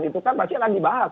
itu kan pasti akan dibahas